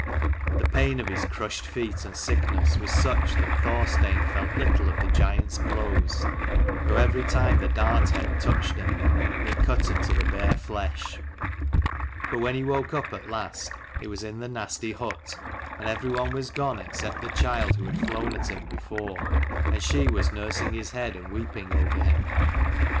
The pain of his crushed feet and sickness was such that Thor stein felt little of the giant's blows, though every time the dart head touched him, it cut into the bare flesh. But when he woke up at last, it was in the nasty hut : and every one was gone except the child who had flown at him before; and she was nursing his head and weeping over him.